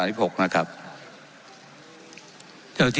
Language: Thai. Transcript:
อันนี้เป็นราชกิจจา๓๖นะครับ